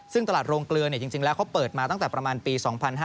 ซึ่งตลาดโรงเกลือจริงแล้วเขาเปิดมาตั้งแต่ประมาณปี๒๕๕๙